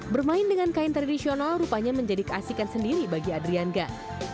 bermain dengan kain tradisional rupanya menjadi keasikan sendiri bagi adrian gan